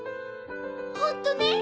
ホントね？